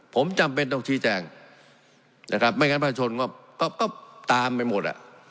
ผมจำเป็นต้องชี้แจงไม่งั้นประชนก็ตามไปหมด